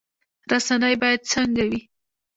رسنۍ باید څنګه وي؟